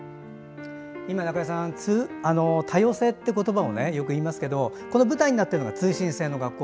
今、中江さん多様性って言葉をよく言いますけどこの舞台になっているのが通信制の学校。